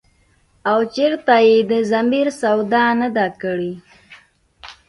او چرته ئې د ضمير سودا نه ده کړې ۔”